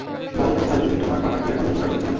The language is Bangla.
বলো তো অঞ্জলি, তোমার পাপা কি এখনো জুতা পরে ঘুমায়?